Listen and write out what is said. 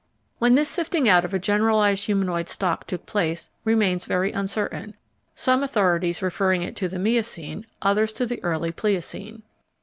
When this sifting out of a generalised humanoid stock took place remains very uncertain, some authorities referring it to the Miocene, others to the early Pliocene.